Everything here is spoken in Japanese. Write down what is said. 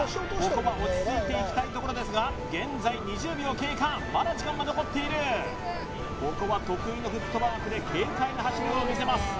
ここは落ち着いていきたいところですが現在２０秒経過まだ時間は残っているここは得意のフットワークで軽快な走りを見せます